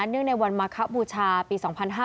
เนื่องในวันมาคะบูชาปี๒๕๕๙